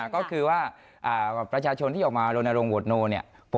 ก็คือว่าประชาชนที่ออกมาโรนโรงโหวตโนเนี่ย